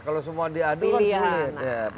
ya kalau semua diadu